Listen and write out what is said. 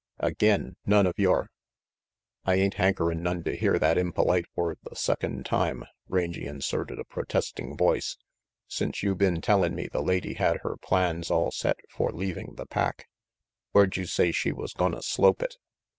"Again none of your " "I ain't hankerin' none to hear that impolite word the second time," Rangy inserted a protesting voice. "Since you been tellin' me the lady had her plans all set for leaving the pack, where' d you say she was gonna slope it?"